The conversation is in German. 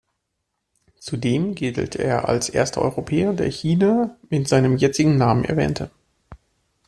Zudem gilt er als erster Europäer, der China mit seinem jetzigen Namen erwähnte.